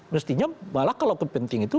mestinya malah kalau kepentingan itu